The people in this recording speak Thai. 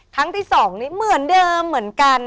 ครั้งที่๒นี้เหมือนเดิมเหมือนกัน